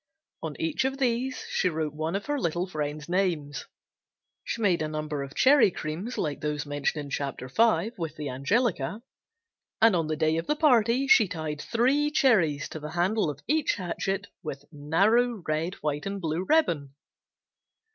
On each of these she wrote one of her little friends' names. She made a number of Cherry Creams like those on page 94 with the angelica, and on the day of the party she tied three cherries to the handle of each hatchet with narrow red, white and blue ribbon.